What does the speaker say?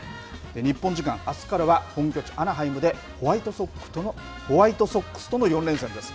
日本時間あすからは、本拠地アナハイムで、ホワイトソックスとの４連戦です。